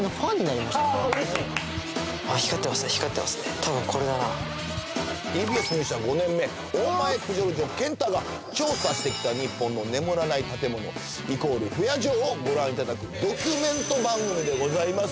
たぶんこれだなＴＢＳ入社５年目大前プジョルジョ健太が調査してきた日本の眠らない建物イコール不夜城をご覧いただくドキュメント番組でございます